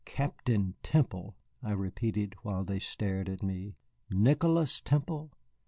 "Captain Temple," I repeated, while they stared at me. "Nicholas Temple?"